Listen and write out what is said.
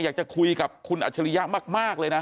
อยากจะคุยกับคุณอัจฉริยะมากเลยนะ